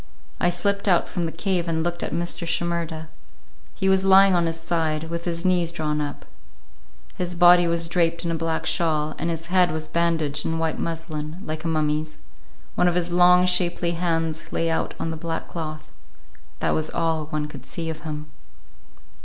I slipped out from the cave and looked at Mr. Shimerda. He was lying on his side, with his knees drawn up. His body was draped in a black shawl, and his head was bandaged in white muslin, like a mummy's; one of his long, shapely hands lay out on the black cloth; that was all one could see of him.